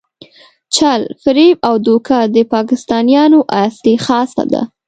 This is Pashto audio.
چل، فریب او دوکه د پاکستانیانو اصلي خاصه ده.